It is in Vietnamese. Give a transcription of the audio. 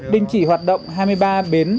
đình chỉ hoạt động hai mươi ba bến